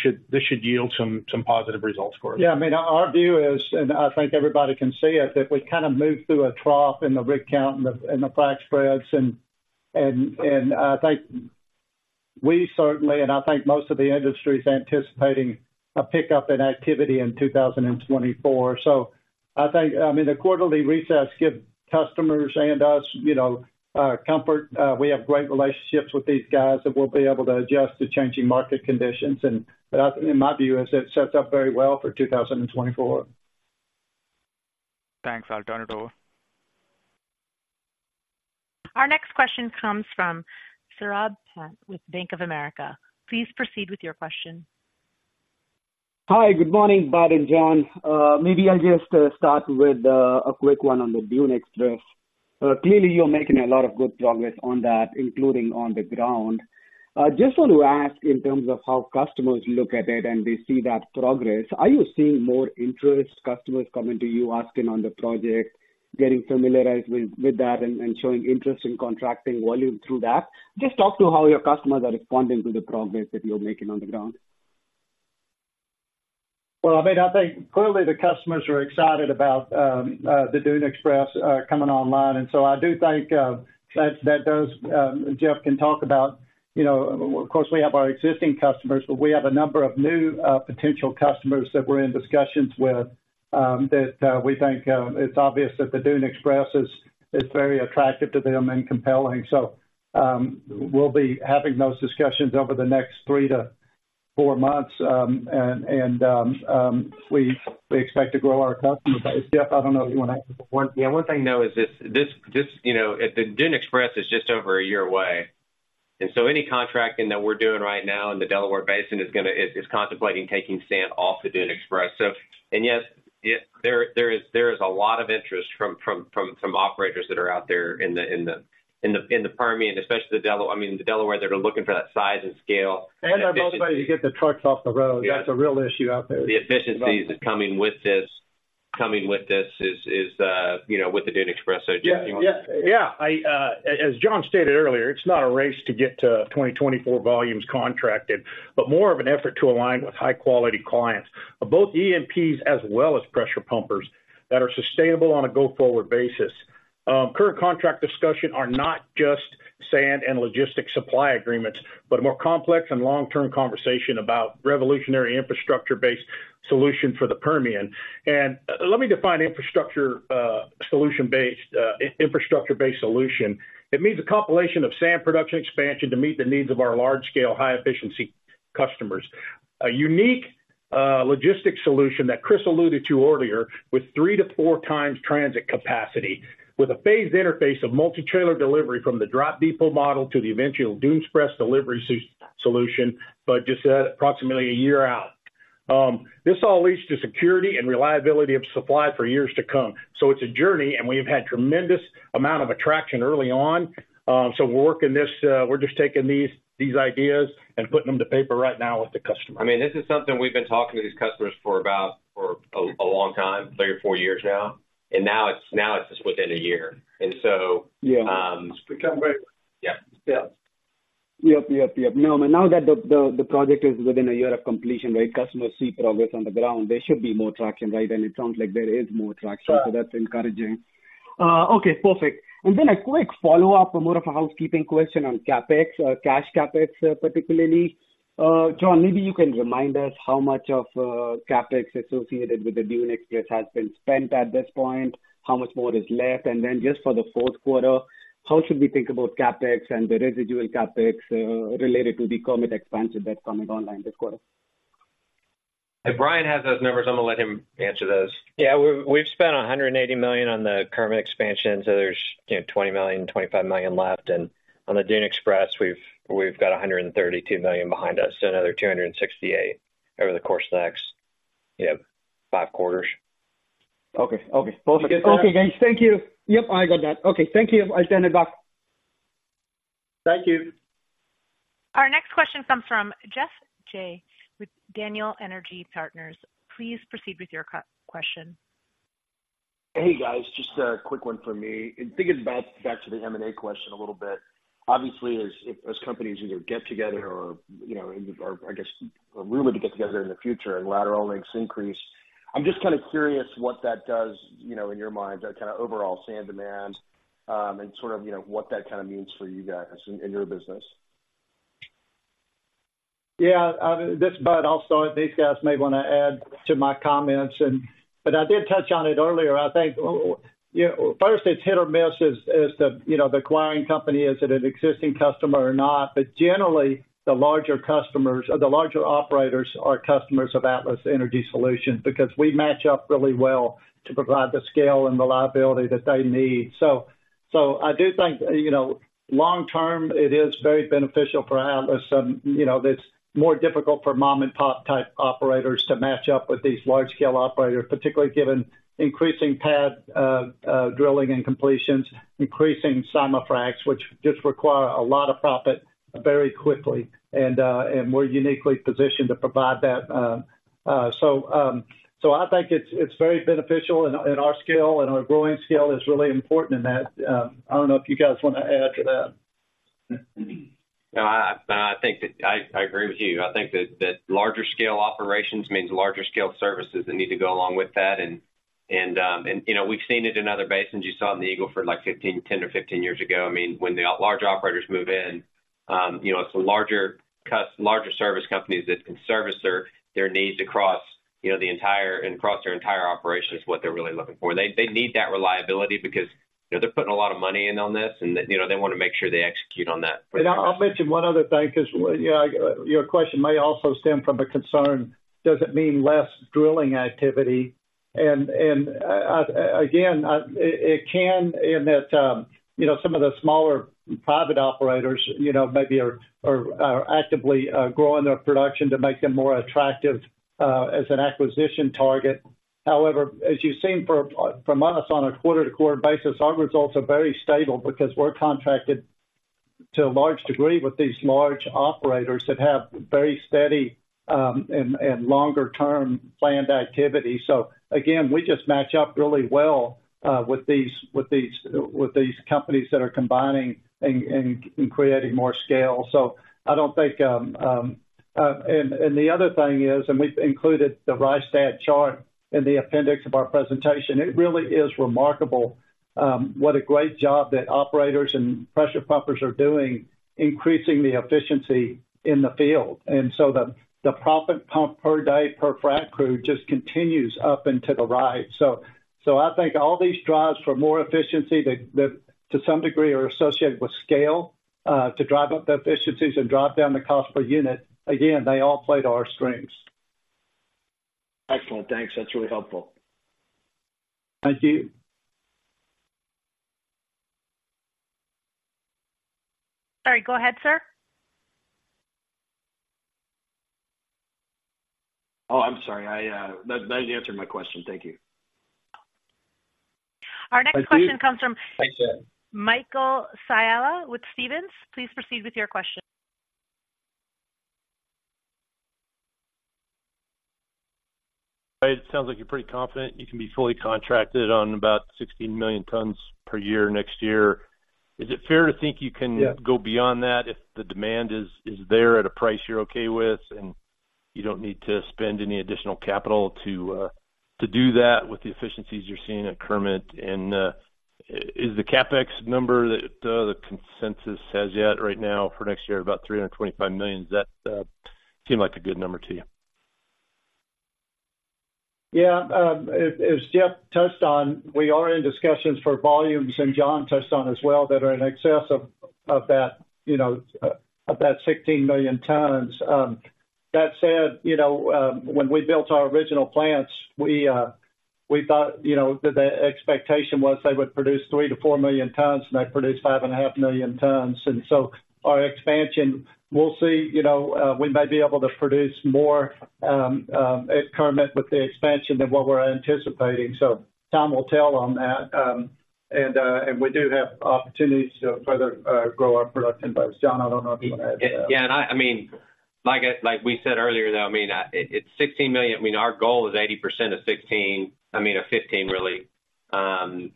should yield some positive results for us. Yeah, I mean, our view is, and I think everybody can see it, that we kind of moved through a trough in the rig count and the frac spreads. And I think we certainly, and I think most of the industry is anticipating a pickup in activity in 2024. So I think, I mean, the quarterly resets give customers and us, you know, comfort. We have great relationships with these guys, that we'll be able to adjust to changing market conditions. And, but I, in my view, is it sets up very well for 2024. Thanks. I'll turn it over. Our next question comes from Saurabh Pant with Bank of America. Please proceed with your question. Hi, good morning, Bud and John. Maybe I'll just start with a quick one on the Dune Express. Clearly, you're making a lot of good progress on that, including on the ground. Just want to ask in terms of how customers look at it, and they see that progress, are you seeing more interest, customers coming to you, asking on the project, getting familiarized with that and showing interest in contracting volume through that? Just talk to how your customers are responding to the progress that you're making on the ground. Well, I mean, I think clearly the customers are excited about the Dune Express coming online. And so I do think that that does. Jeff can talk about, you know, of course, we have our existing customers, but we have a number of new potential customers that we're in discussions with, that we think it's obvious that the Dune Express is very attractive to them and compelling. So, we'll be having those discussions over the next three to four months. And we expect to grow our customer base. Jeff, I don't know if you want to add. Yeah, one thing though is this, you know, the Dune Express is just over a year away, and so any contracting that we're doing right now in the Delaware Basin is gonna, is contemplating taking sand off the Dune Express. So, yes, yeah, there is a lot of interest from operators that are out there in the Permian, especially the Delaware, I mean, the Delaware, they're looking for that size and scale. They're both ready to get the trucks off the road. That's a real issue out there. The efficiencies that's coming with this, you know, with the Dune Express. So, Jeff, you want- Yeah. I, as John stated earlier, it's not a race to get to 2024 volumes contracted, but more of an effort to align with high quality clients, both E&Ps as well as pressure pumpers that are sustainable on a go-forward basis. Current contract discussion are not just sand and logistic supply agreements, but more complex and long-term conversation about revolutionary infrastructure-based solution for the Permian. And, let me define infrastructure, solution-based, infrastructure-based solution. It means a compilation of sand production expansion to meet the needs of our large scale, high efficiency customers. A unique, logistics solution that Chris alluded to earlier, with 3x-4x transit capacity, with a phased interface of multi-trailer delivery from the drop depot model to the eventual Dune Express delivery solution, but just approximately a year out. This all leads to security and reliability of supply for years to come. So it's a journey, and we've had tremendous amount of traction early on. So we're working this. We're just taking these ideas and putting them to paper right now with the customer. I mean, this is something we've been talking to these customers for about a long time, three or four years now, and now it's just within a year. Yeah. Yeah. Yeah. Yep. Now that the project is within a year of completion, right, customers see progress on the ground, there should be more traction, right? And it sounds like there is more traction, so that's encouraging. Okay, perfect. And then a quick follow-up on more of a housekeeping question on CapEx, cash CapEx, particularly. John, maybe you can remind us how much of CapEx associated with the Dune Express has been spent at this point? How much more is left? And then just for the fourth quarter, how should we think about CapEx and the residual CapEx related to the Kermit expansion that's coming online this quarter? If Brian has those numbers, I'm going to let him answer those. Yeah, we've spent $180 million on the current expansion, so there's, you know, $20 million-$25 million left. And on the Dune Express, we've got $132 million behind us, so another $268 million over the course of the next, you know, five quarters. Okay. Okay, perfect. Okay, guys. Thank you. Yep, I got that. Okay. Thank you. I hand it back. Thank you. Our next question comes from Geoff Jay with Daniel Energy Partners. Please proceed with your question. Hey, guys. Just a quick one from me. And thinking back to the M&A question a little bit. Obviously, as companies either get together or, you know, or I guess are rumored to get together in the future and lateral links increase, I'm just kind of curious what that does, you know, in your minds, that kind of overall sand demand, and sort of, you know, what that kind of means for you guys in your business? Bud, also these guys may want to add to my comments and. But I did touch on it earlier. I think, you know, first, it's hit or miss, as the, you know, the acquiring company, is it an existing customer or not? But generally, the larger customers or the larger operators are customers of Atlas Energy Solutions because we match up really well to provide the scale and reliability that they need. So I do think, you know, long-term, it is very beneficial for Atlas. You know, it's more difficult for mom-and-pop type operators to match up with these large-scale operators, particularly given increasing pad drilling and completions, increasing simul-fracs, which just require a lot of proppant very quickly, and we're uniquely positioned to provide that. So I think it's very beneficial and our scale and our growing scale is really important in that. I don't know if you guys want to add to that? No, I think that I agree with you. I think that larger scale operations means larger scale services that need to go along with that. And you know, we've seen it in other basins. You saw it in the Eagle Ford, like 10, 15 years ago. I mean, when the large operators move in, you know, it's the larger service companies that can service their needs across, you know, the entire and across their entire operation is what they're really looking for. They need that reliability because, you know, they're putting a lot of money in on this, and you know, they want to make sure they execute on that. And I'll mention one other thing, because, yeah, your question may also stem from a concern, does it mean less drilling activity? And, again, it can in that, you know, some of the smaller private operators, you know, maybe are actively growing their production to make them more attractive, as an acquisition target. However, as you've seen from us on a quarter-to-quarter basis, our results are very stable because we're contracted to a large degree with these large operators that have very steady, and longer-term planned activity. So again, we just match up really well, with these companies that are combining and creating more scale. And the other thing is, and we've included the Rystad chart in the appendix of our presentation. It really is remarkable what a great job that operators and pressure pumpers are doing, increasing the efficiency in the field. And so the proppant pump per day, per frac crew just continues up into the rise. I think all these drives for more efficiency, that to some degree, are associated with scale, to drive up the efficiencies and drive down the cost per unit. Again, they all play to our strengths. Excellent. Thanks. That's really helpful. Thank you. Sorry. Go ahead, sir. Oh, I'm sorry. That answered my question. Thank you. Our next question comes from Michael Scialla with Stephens. Please proceed with your question. It sounds like you're pretty confident you can be fully contracted on about 16 million tons per year next year. Is it fair to think you can go beyond that if the demand is, is there at a price you're okay with, and you don't need to spend any additional capital to, to do that with the efficiencies you're seeing at Kermit? Is the CapEx number that the consensus has yet right now for next year, about $325 million, seem like a good number to you? Yeah. As Jeff touched on, we are in discussions for volumes, and John touched on as well, that are in excess of that, you know, of that 16 million tons. That said, you know, when we built our original plants, we thought, you know, that the expectation was they would produce 3 million tons-4 million tons, and they produced 5.5 million tons. And so our expansion, we'll see, you know, we may be able to produce more at Kermit with the expansion than what we're anticipating. So time will tell on that. And we do have opportunities to further grow our production. But, John, I don't know if you want to add to that. Yeah, and I mean, like we said earlier, though, I mean, it's $16 million. I mean, our goal is 80% of $15, really.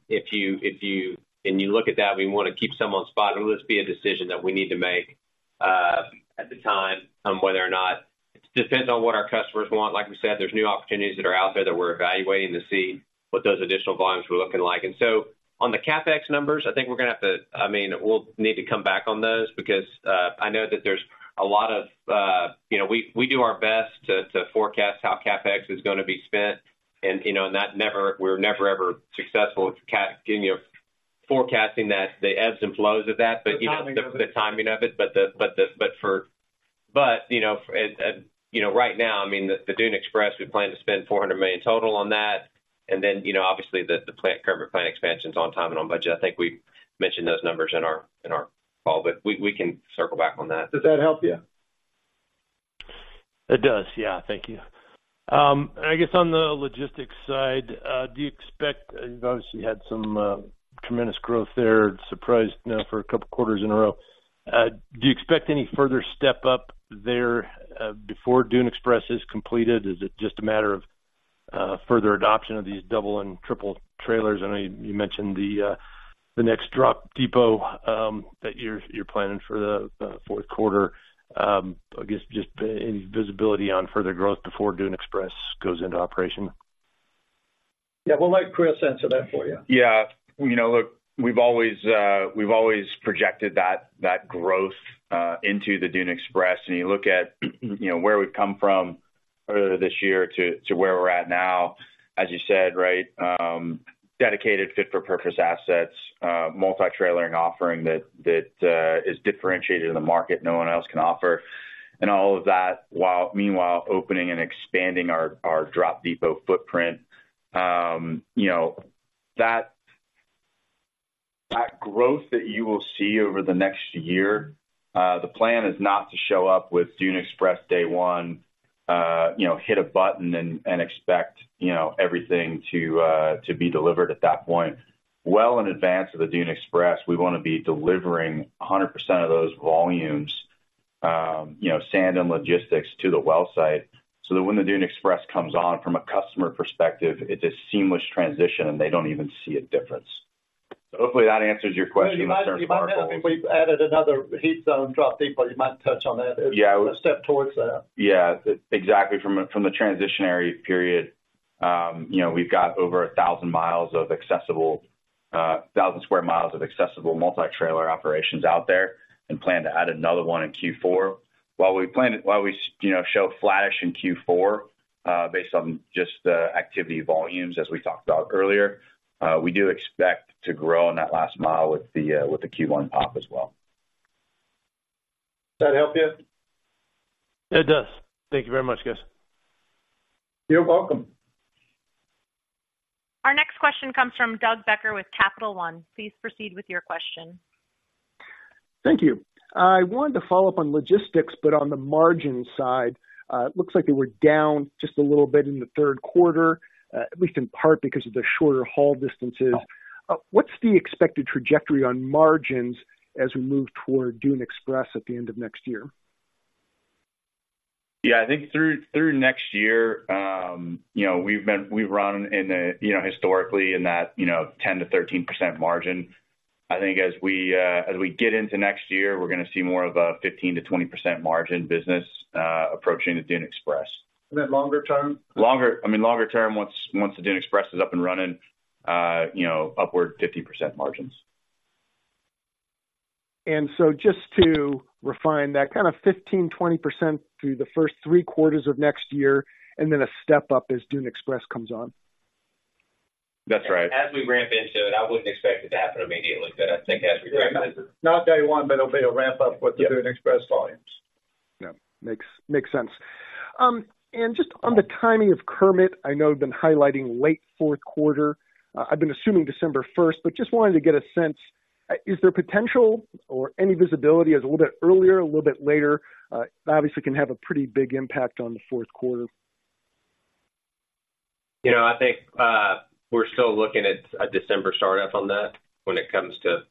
If you, if you and you look at that, we want to keep some on spot. It will just be a decision that we need to make at the time, whether or not. It depends on what our customers want. Like we said, there's new opportunities that are out there that we're evaluating to see what those additional volumes were looking like. And so on the CapEx numbers, I think we're going to have to, I mean, we'll need to come back on those because I know that there's a lot of, you know, we do our best to forecast how CapEx is going to be spent, and, you know, and that we're never, ever successful at - you know, forecasting that, the ebbs and flows of that, but, you know the timing of it. The timing of it, but you know, right now, I mean, the Dune Express, we plan to spend $400 million total on that. And then, you know, obviously, the Kermit plant expansion is on time and on budget. I think we mentioned those numbers in our call, but we can circle back on that. Does that help you? It does, yeah. Thank you. I guess on the logistics side, do you expect, you've obviously had some tremendous growth there, surprised now for a couple of quarters in a row. Do you expect any further step up there, before Dune Express is completed? Is it just a matter of, further adoption of these double and triple trailers? I know you mentioned the next drop depot, that you're planning for the fourth quarter. I guess just any visibility on further growth before Dune Express goes into operation. Yeah. We'll let Chris answer that for you. Yeah. You know, look, we've always projected that growth into the Dune Express. When you look at, you know, where we've come from earlier this year to where we're at now, as you said, right, dedicated fit for purpose assets, multi-trailering offering that is differentiated in the market, no one else can offer and all of that, while meanwhile opening and expanding our drop depot footprint. You know, that growth that you will see over the next year, the plan is not to show up with Dune Express day one, you know, hit a button and expect everything to be delivered at that point. Well, in advance of the Dune Express, we want to be delivering 100% of those volumes, you know, sand and logistics to the well site, so that when the Dune Express comes on from a customer perspective, it's a seamless transition, and they don't even see a difference. So hopefully that answers your question. We've added another heat zone drop depot. You might touch on that as a step toward that. Yeah, exactly. From a transitionary period, you know, we've got over 1,000 sq mi of accessible multi-trailer operations out there and plan to add another one in Q4. While we, you know, show flattish in Q4, based on just the activity volumes as we talked about earlier, we do expect to grow in that last mile with the Q1 pop as well. Does that help you? It does. Thank you very much, guys. You're welcome. Our next question comes from Doug Becker with Capital One. Please proceed with your question. Thank you. I wanted to follow up on logistics, but on the margin side, it looks like they were down just a little bit in the third quarter, at least in part because of the shorter haul distances. What's the expected trajectory on margins as we move toward Dune Express at the end of next year? Yeah, I think through next year, you know, we've run in a, you know, historically in that 10%, 13% margin. I think as we get into next year, we're going to see more of a 15%-20% margin business, approaching the Dune Express. Then longer-term? Longer-term, once the Dune Express is up and running, you know, upward 50% margins. And so just to refine that kind of 15%-20% through the first three quarters of next year, and then a step up as Dune Express comes on? That's right. As we ramp into it, I wouldn't expect it to happen immediately, but I think as we ramp into it. Not day one, but it'll be a ramp up with the Dune Express volumes. Yeah. Makes sense. Just on the timing of Kermit, I know you've been highlighting late fourth quarter. I've been assuming December 1st, but just wanted to get a sense, is there potential or any visibility as a little bit earlier, a little bit later? Obviously, can have a pretty big impact on the fourth quarter. You know, I think, we're still looking at a December start-up on that when it comes to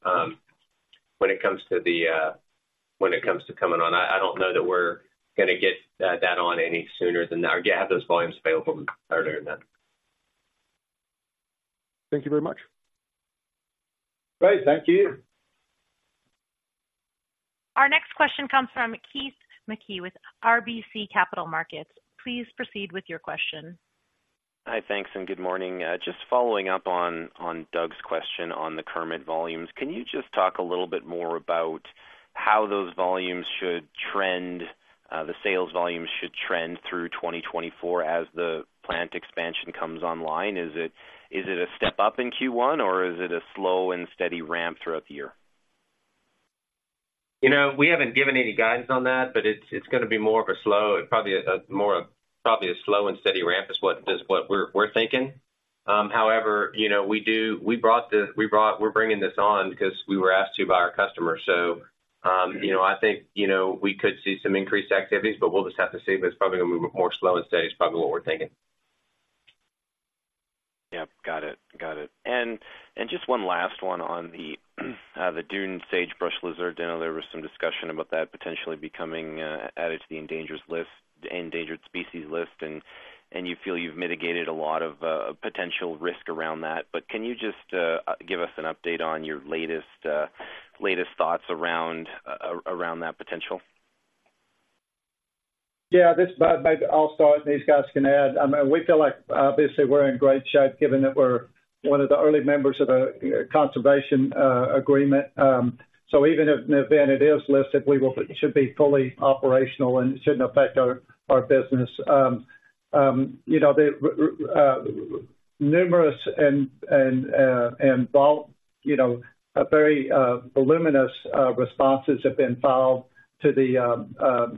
coming on. I don't know that we're going to get that on any sooner than that, or have those volumes available earlier than that. Thank you very much. Great. Thank you. Our next question comes from Keith Mackey with RBC Capital Markets. Please proceed with your question. Hi, thanks, and good morning. Just following up on Doug's question on the Kermit volumes, can you just talk a little bit more about how those volumes should trend, the sales volumes should trend through 2024 as the plant expansion comes online? Is it a step up in Q1, or is it a slow and steady ramp throughout the year? You know, we haven't given any guidance on that, but it's going to be more of a slow... Probably a slow and steady ramp is what we're thinking. However, you know, we're bringing this on because we were asked to by our customers. So, you know, I think, you know, we could see some increased activities, but we'll just have to see. But it's probably going to be more slow and steady is probably what we're thinking. Yeah. Got it. And just one last one on the Dune Sagebrush Lizard. I know there was some discussion about that potentially becoming added to the endangered list, the endangered species list, and you feel you've mitigated a lot of potential risk around that. But can you just give us an update on your latest thoughts around that potential? Yeah, this, but maybe I'll start, and these guys can add. I mean, we feel like obviously we're in great shape, given that we're one of the early members of the conservation agreement. So even if then it is listed, we should be fully operational and it shouldn't affect our business. You know, the numerous and very voluminous responses have been filed to the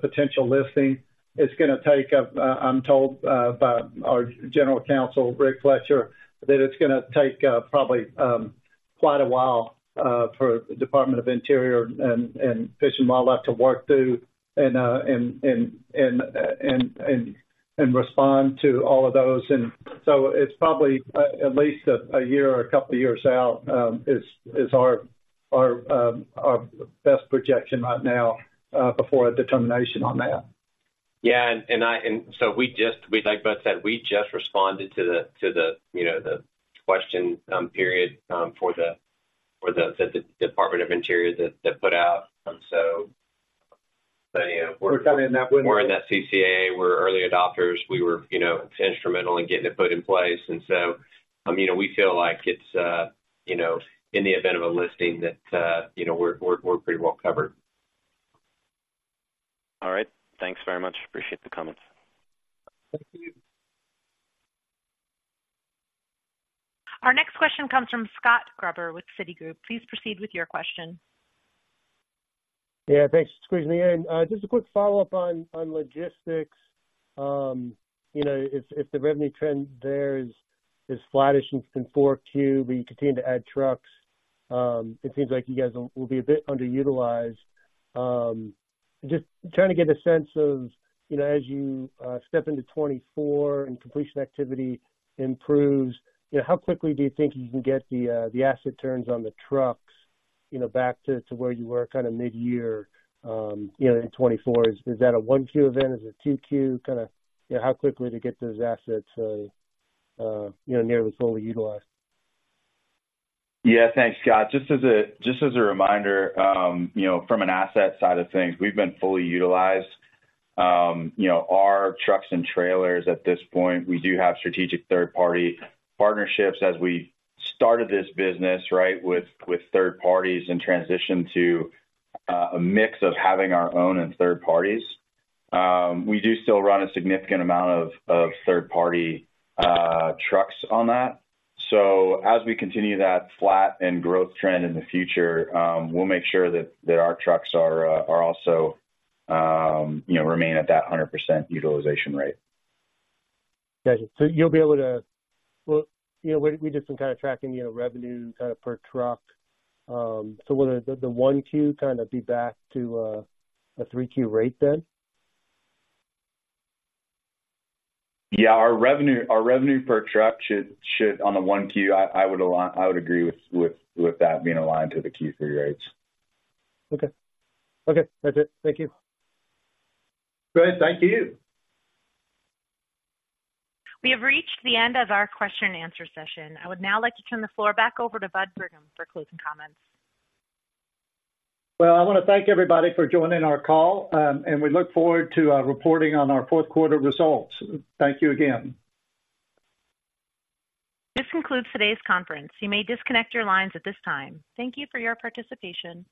potential listing. It's going to take, I'm told, by our general counsel, Rick Fletcher, that it's going to take probably quite a while for the Department of the Interior and Fish and Wildlife to work through and respond to all of those. And so it's probably at least a year or a couple of years out, is our best projection right now, before a determination on that. Yeah, and so we just, like I said, we just responded to the question for the Department of Interior that, that put out. We're kind of in that window. We're in that CCA, we're early adopters. We were, you know, instrumental in getting it put in place, and so, you know, we feel like it's, you know, in the event of a listing that, you know, we're pretty well covered. All right. Thanks very much. Appreciate the comments. Thank you. Our next question comes from Scott Gruber with Citigroup. Please proceed with your question. Yeah, thanks for squeezing me in. Just a quick follow-up on, on logistics. You know, if, if the revenue trend there is, is flattish in 4Q, but you continue to add trucks, it seems like you guys will, will be a bit underutilized. Just trying to get a sense of, you know, as you step into 2024 and completion activity improves, you know, how quickly do you think you can get the, the asset turns on the trucks, you know, back to where you were kind of mid-year, you know, in 2024? Is, is that a 1Q event? Is it 2Q? Kind of, you know, how quickly to get those assets, you know, nearly fully utilized? Yeah, thanks, Scott. Just as a reminder, you know, from an asset side of things, we've been fully utilized. You know, our trucks and trailers at this point, we do have strategic third-party partnerships as we started this business, right, with third-parties in transition to a mix of having our own and third-parties. We do still run a significant amount of third-party trucks on that. So as we continue that flat and growth trend in the future, we'll make sure that our trucks are also, you know, remain at that 100% utilization rate. Got you. So you'll be able to, well, you know, we did some kind of tracking, you know, revenue kind of per truck. So will the 1Q kind of be back to a 3Q rate then? Yeah, our revenue per truck should on the 1Q. I would agree with that being aligned to the Q3 rates. Okay, that's it. Thank you. Great, thank you. We have reached the end of our question-and-answer session. I would now like to turn the floor back over to Bud Brigham for closing comments. Well, I want to thank everybody for joining our call, and we look forward to reporting on our fourth quarter results. Thank you again. This concludes today's conference. You may disconnect your lines at this time. Thank you for your participation.